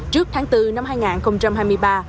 trước tháng bốn năm hai nghìn hai mươi ba